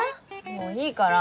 もういいから。